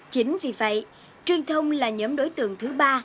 chính vì vậy truyền thông là nhóm đối tượng thứ ba